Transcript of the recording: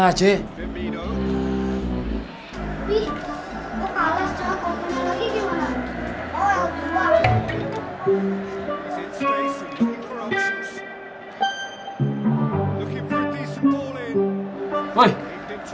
bapak gue mau tidur